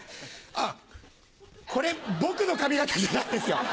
あっこれ僕の髪形じゃないですよ。